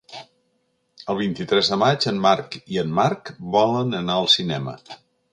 El vint-i-tres de maig en Marc i en Marc volen anar al cinema.